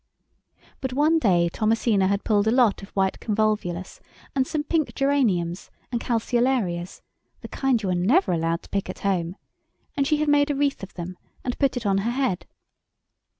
But one day Thomasina had pulled a lot of white convolvulus and some pink geraniums and calceolarias—the kind you are never allowed to pick at home—and she had made a wreath of them and put it on her head.